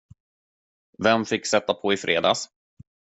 Vem fick sätta på i fredags?